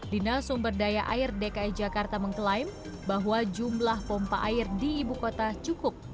dinas sumber daya air dki jakarta mengklaim bahwa jumlah pompa air di ibu kota cukup